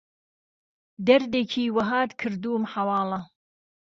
دهردێکی وههات کردوم حواڵه